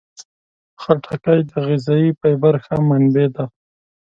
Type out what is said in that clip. خټکی د غذايي فایبر ښه منبع ده.